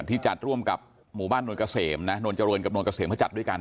ที่จัดร่วมกับหมู่บ้านนวลเกษมนะนวลเจริญกับนวลเกษมเขาจัดด้วยกัน